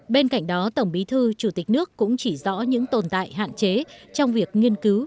bên cạnh đó tổng bí thư chủ tịch nước cũng chỉ rõ những tồn tại hạn chế trong việc nghiên cứu